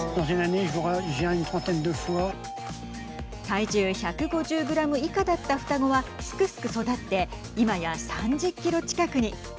体重１５０グラム以下だった双子はすくすく育って今や、３０キロ近くに。